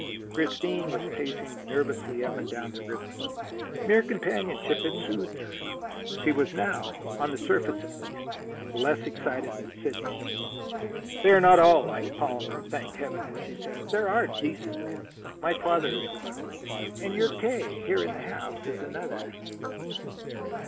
Christine was pacing nervously up and down the room. Mere companionship had soothed her. She was now, on the surface at least, less excited than Sidney. "They are not all like Palmer, thank Heaven," she said. "There are decent men. My father is one, and your K., here in the house, is another."